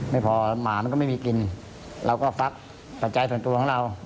ไม่พอหมามันก็ไม่มีกินเราก็ฟักปัจจัยส่วนตัวของเรา